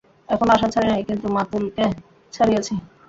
এখনো আশা ছাড়ি নাই, কিন্তু মাতুলকে ছাড়িয়াছি।